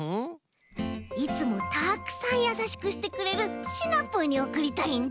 いつもたくさんやさしくしてくれるシナプーにおくりたいんだ！